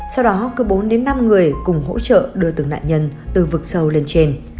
sau đó cứ bốn đến năm người cùng hỗ trợ đưa từng nạn nhân từ vực sâu lên trên